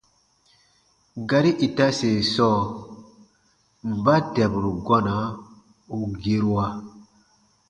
Gari itase sɔɔ: mba dɛburu gɔna u gerua?